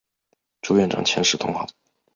朱元璋遣使通好。